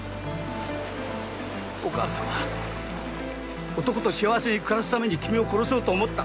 お母さんは男と幸せに暮らすために君を殺そうと思った。